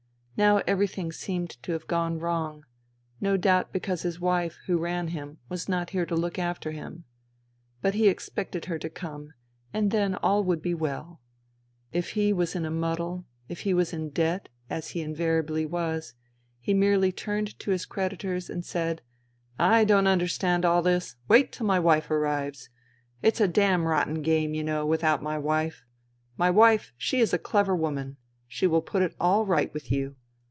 Now everything seemed to have gone wrong, no doubt because his wife who ran him was not here to look after him. But he expected her to come and then all would be well. If he was in a muddle, if he was in debt, as he invariably was, he merely turned to his creditors and said, " I don't understand all this. /Wait till my wife arrives. It's a damrotten game, you know, without my wife. My wife she is a clever woman. She will put it all right with you.